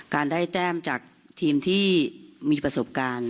การได้แต้มจากทีมที่มีประสบการณ์